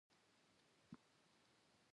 هغه وویل چې ستاسو سفرونه موږ ته ډاډ راکوي.